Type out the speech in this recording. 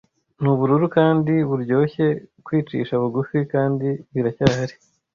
nubururu kandi buryoshye kwicisha bugufi kandi biracyahari